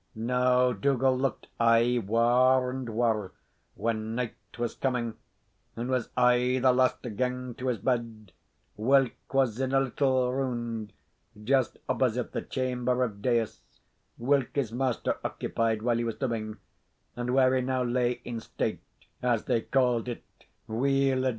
Now Dougal looked aye waur and waur when night was coming, and was aye the last to gang to his bed, whilk was in a little round just opposite the chamber of dais, whilk his master occupied while he was living, and where he now lay in state, as they can'd it, weeladay!